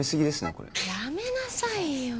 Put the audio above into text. これやめなさいよ